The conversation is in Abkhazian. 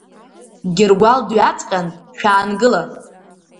Гьыргәал дҩаҵҟьан, шәаангыла!